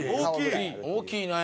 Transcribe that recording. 大きい！